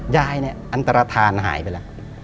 ยายเนี่ยอันตรฐานหายไปแล้ว